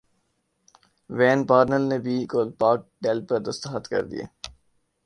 when Parnell نے بھی Kolpak deal پر دستخط کردیے